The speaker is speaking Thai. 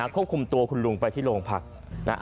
ควบคุมตัวคุณลุงไปที่โรงพัก